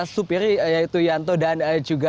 supir yaitu yanto dan juga